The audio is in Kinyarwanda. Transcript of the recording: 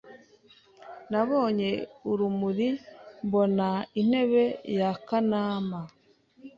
Nabonye urumuri mbona intebe ya Kanama